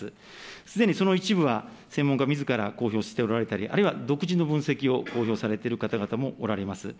すでにその一部は専門家みずから公表しておられたり、あるいは独自の分析を公表されておられる方々もおられます。